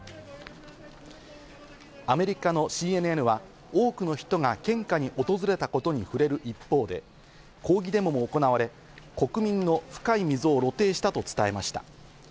アメリカのＣＮＮは多くの人が献花に訪れたことに触れる一方で、抗議デモも行われ、国民の深い溝を露呈したと伝えました。